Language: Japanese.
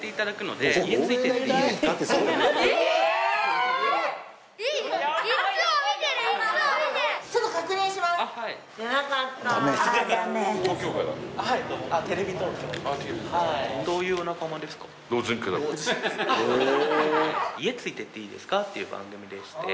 『家、ついて行ってイイですか？』っていう番組でして。